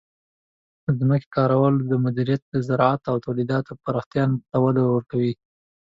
د ځمکې کارولو مدیریت د زراعت او تولیداتو پراختیا ته وده ورکوي.